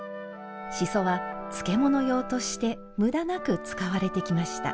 シソは漬物用として無駄なく使われてきました。